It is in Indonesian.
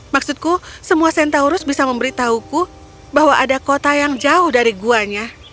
maksudku semua sentaurus bisa memberitahuku bahwa ada kota yang jauh dari guanya